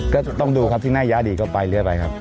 ก็ต้องดูครับที่หน้าย้าดีก็ไปเรื่อยไปครับ